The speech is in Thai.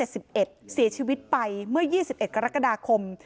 เสียชีวิตไปเมื่อ๒๑กรกฎาคม